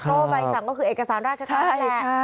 เพราะใบหนึ่งสั่งก็คือเอกสารราชการแหละ